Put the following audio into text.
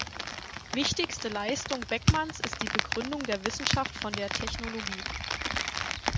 Wichtigste Leistung Beckmanns ist die Begründung der Wissenschaft von der Technologie.